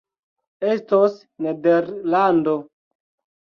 Estos Nederlando!